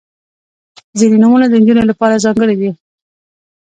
• ځینې نومونه د نجونو لپاره ځانګړي دي.